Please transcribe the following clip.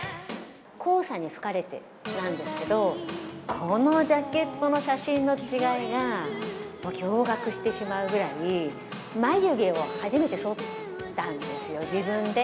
黄砂に吹かれてなんですけど、このジャケットの写真の違いが、驚がくしてしまうぐらい、眉毛を初めてそったんですよ、自分で。